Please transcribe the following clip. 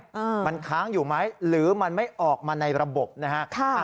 อ่ามันค้างอยู่ไหมหรือมันไม่ออกมาในระบบนะฮะค่ะ